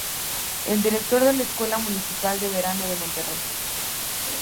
Director de la Escuela Municipal de Verano de Monterrey.